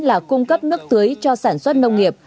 là cung cấp nước tưới cho sản xuất nông nghiệp